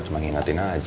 cuma ingatin aja